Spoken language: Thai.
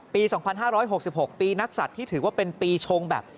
ปี๒๕๖๖ปีนักศัตริย์ที่ถือว่าเป็นปีชงแบบ